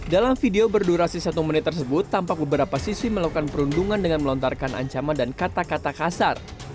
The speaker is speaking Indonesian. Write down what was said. dalam video berdurasi satu menit tersebut tampak beberapa sisi melakukan perundungan dengan melontarkan ancaman dan kata kata kasar